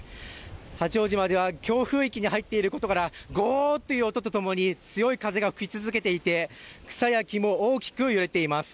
八丈島では強風域に入っていることから、ごーっという音とともに強い風が吹き続けていて、草や木も大きく揺れています。